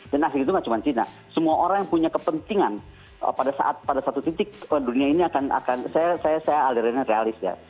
dan asing itu nggak cuma cina semua orang yang punya kepentingan pada saat pada satu titik dunia ini akan saya aliran realist ya